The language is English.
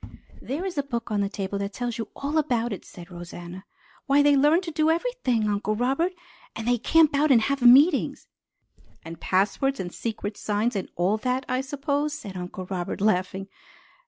"There is a book on that table that tells you all about it," said Rosanna. "Why, they learn to do _every_thing, Uncle Robert! And they camp out, and have meetings!" "And passwords and secret signs and all that, I suppose," said Uncle Robert, laughing.